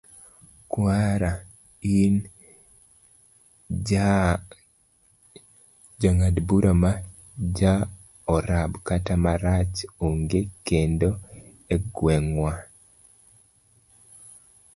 kwara in, jang'ad bura ma joarab kata marachar onge kendo e gweng',wan